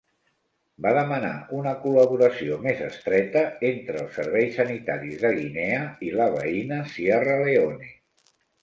Va demanar una col.laboració més estreta entre els serveis sanitaris de Guinea i la veïna Sierra Leone.